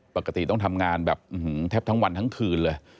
ปกติต้องทำงานแบบแทบทั้งวันทั้งคืนเลย